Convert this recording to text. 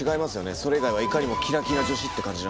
それ以外はいかにもキラキラ女子って感じなのに。